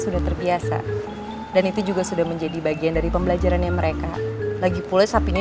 sudah terbiasa dan itu juga sudah menjadi bagian dari pembelajarannya mereka lagi pula sapinya